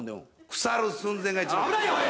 腐る寸前が一番。